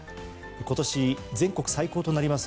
今年、全国最高となります